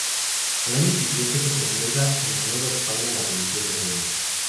Al año siguiente se promulga en la Nueva España la abolición de gremios.